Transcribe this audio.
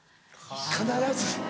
必ず？